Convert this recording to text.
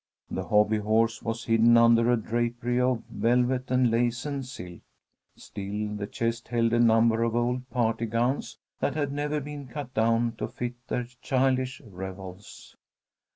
The hobby horse was hidden under a drapery of velvet and lace and silk. Still the chest held a number of old party gowns that had never been cut down to fit their childish revels.